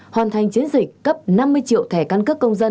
hoàn thành chiến dịch cấp năm mươi triệu thẻ căn cước công dân